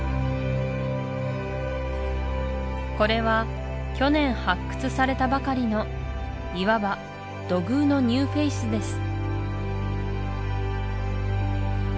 これは去年発掘されたばかりのいわば土偶のニューフェースです